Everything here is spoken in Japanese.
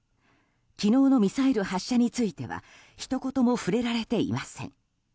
昨日のミサイル発射についてはひと言も触れられていません。